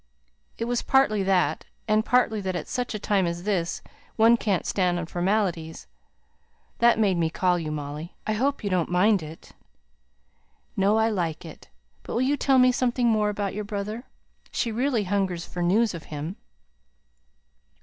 It was partly that, and partly that at such a time as this one can't stand on formalities, that made me call you Molly. I hope you don't mind it?" "No; I like it. But will you tell me something more about your brother? She really hungers for news of him."